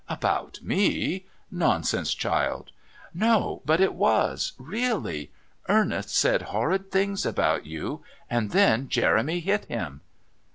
"About me! Nonsense, child." "No, but it was, really. Ernest said horrid things about you, and then Jeremy hit him."